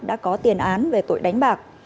đã có tiền án về tội đánh bạc